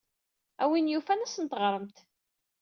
A win yufan ad asent-teɣremt.